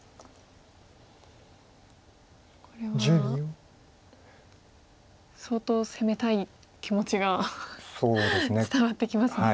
これは相当攻めたい気持ちが伝わってきますね。